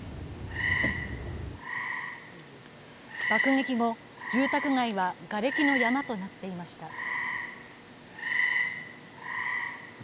爆撃後、住宅街はがれきの山となっていました。